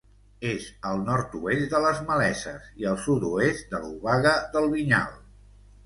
És al nord-oest de les Maleses i al sud-oest de l'Obaga del Vinyal.